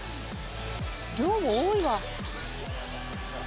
量も多いわ。